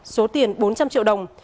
số tiền bốn trăm linh triệu đồng